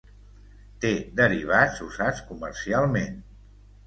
Té derivats usats comercialment.